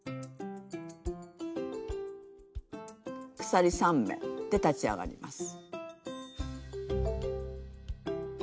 鎖３目で立ち上がります。